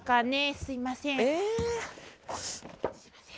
すいません。